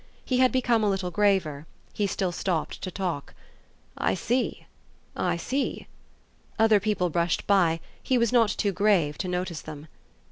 He had become a little graver; he still stopped to talk. "I see I see." Other people brushed by; he was not too grave to notice them.